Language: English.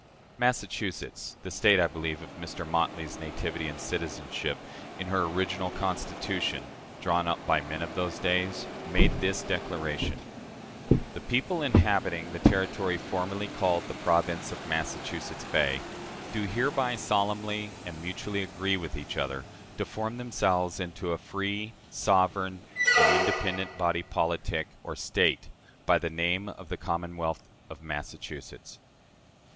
Massachusetts the State, I believe, of Mr. Motley's nativity and citizenship in her original Constitution, drawn up by "men of those days," made this declaration: "The people inhabiting the territory formerly called the Province of Massachusetts Bay do hereby solemnly and mutually agree with each other to form themselves into a free, sovereign, and independent body politic, or State, by the name of The Commonwealth of Massachusetts."